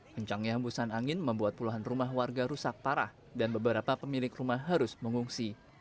kencangnya hembusan angin membuat puluhan rumah warga rusak parah dan beberapa pemilik rumah harus mengungsi